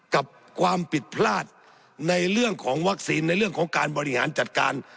กับความผิดพลาดในเรื่องของวัคซีนในเรื่องของการบริหารจัดการ